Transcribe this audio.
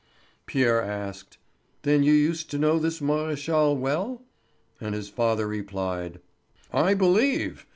Pierre asked: "Then you used to know this Maréchal well?" And his father replied: "I believe!